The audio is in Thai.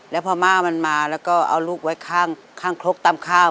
แล้วพอม่ามันมาแล้วก็เอาลูกไว้ข้างครกตำข้าว